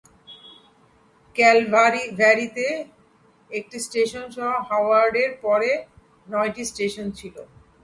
ক্যালভারিতে একটি স্টেশন সহ হাওয়ার্ডের পরে নয়টি স্টেশন ছিল।